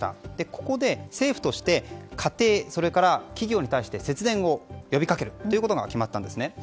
ここで政府として家庭それから企業に対して節電を呼びかけることが決まったんですね。